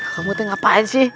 kamu tuh ngapain sih